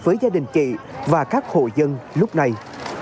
lớn với gia đình chị và các hồ dân lúc này